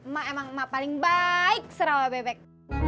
mak emang mak paling baik sarawabebek